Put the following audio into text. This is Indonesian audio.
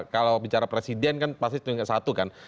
kalau bicara presiden kan pasti tingkat satu kan